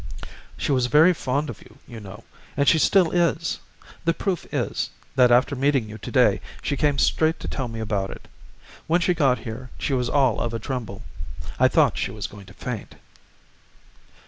"She was very fond of you, you know, and she still is; the proof is, that after meeting you to day, she came straight to tell me about it. When she got here she was all of a tremble; I thought she was going to faint."